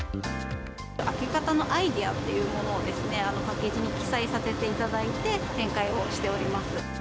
開け方のアイデアっていうものをパッケージに記載させていただいて、展開をしております。